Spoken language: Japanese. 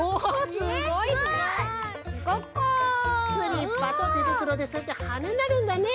スリッパとてぶくろでそうやってはねになるんだね。